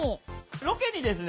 ロケにですね